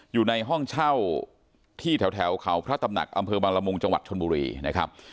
อยู่ในห้องเช่าที่แถวเขาพระตำหนักอำเภอบางละมุงจังหวัดชนบุรีนะครับ